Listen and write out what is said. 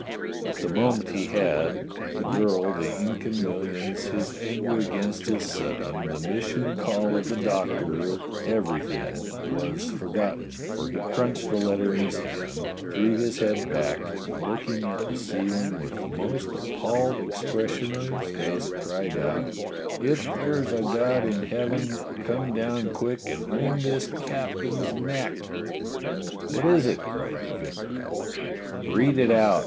But the moment he had, the girl, the Incan millions, his anger against his son, the mission *call ' of the Doctor, everything was forgotten, for he crunched the letter in his hand, threw his head back, and looking at the ceiling with the most appalled DOCTOR SYN HAS A "CALL" 231 expression on his face, cried out: *'If there's a God in heaven, come down quick and wring this captain's neck!" "What is it ?" cried the vicar. "Read it out!"